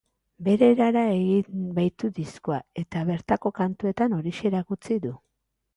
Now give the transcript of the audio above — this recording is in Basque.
Bere erara egin baitu diskoa eta bertako kantuetan horixe erakutsi du.